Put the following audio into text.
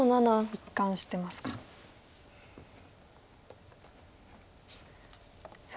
一貫してますか。